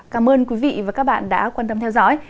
cảm ơn quý vị và các bạn đã quan tâm theo dõi